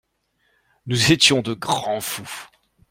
Nous étions de grands fous.